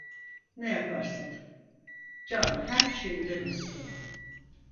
Ne yaparsın, can her şeyden üstün.